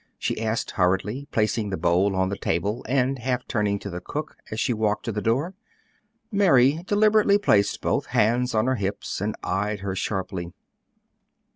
she asked hurriedly, placing the bowl on the table and half turning to the cook as she walked to the door. Mary deliberately placed both hands on her hips and eyed her sharply.